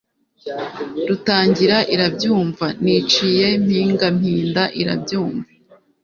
Rutangira irabyumva. Niciye MpingaMpinda irabyumva.